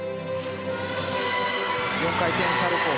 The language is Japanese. ４回転サルコウ。